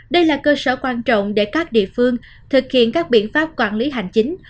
đây là cơ sở quan trọng để các địa phương thực hiện các biện pháp quản lý hành chính